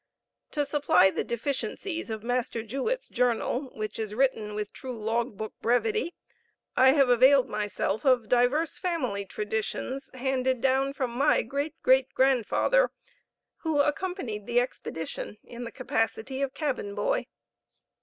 To supply the deficiencies of Master Juet's journal, which is written with true log book brevity, I have availed myself of divers family traditions, handed down from my great great grandfather, who accompanied the expedition in the capacity of cabin boy.